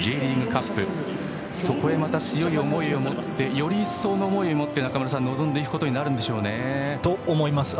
カップそこへ強い思いを持ってより一層の思いを持って臨んでいくことになるでしょうね。と、思います。